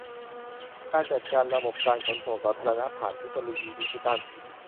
การจัดการระบบการขนส่งสาธารณะผ่านเทคโนโลยีดิจิทัล